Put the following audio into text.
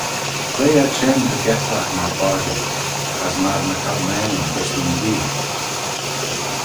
Quoi ad shen ta getlagh myr bodjal, as myr ny calmaneyn gys nyn dhuill?